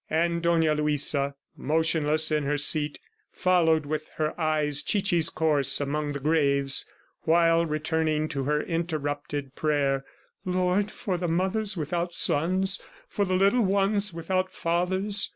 And Dona Luisa, motionless in her seat, followed with her eyes Chichi's course among the graves, while returning to her interrupted prayer "Lord, for the mothers without sons ... for the little ones without fathers!